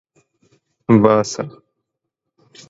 باسه